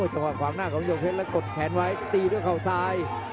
จังหวะขวางหน้าของโยงเพชรแล้วกดแขนไว้ตีด้วยเขาซ้าย